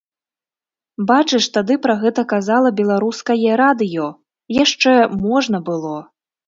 Бачыш, тады пра гэта казала беларускае радыё, яшчэ можна было.